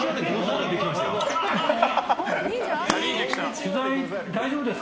取材大丈夫ですか？